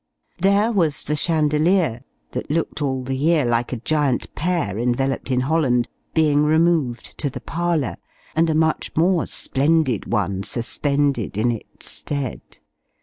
There was the chandelier (that looked all the year like a giant pear enveloped in holland) being removed to the parlour, and a much more splendid one suspended in its stead.